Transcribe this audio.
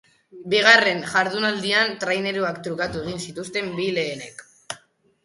Bigarren jardunaldian traineruak trukatu egin zituzten bi lehenek.